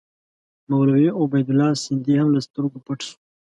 مولوي عبیدالله سندي هم له سترګو پټ شو.